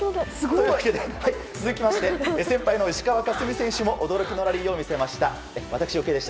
続きまして先輩の石川佳純選手も驚きのラリーを見せました。